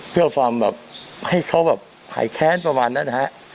เพื่อให้เขาหายแค้นประมาณนั้น